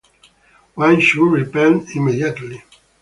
One should repent immediately.